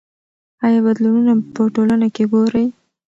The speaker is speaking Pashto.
آیا بدلونونه په ټولنه کې ګورئ؟